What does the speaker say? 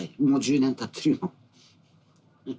もう１０年たってるよ。